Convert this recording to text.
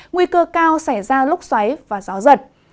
nguy cơ cao xảy ra lúc xoáy và gió giật